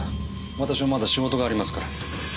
私もまだ仕事がありますから。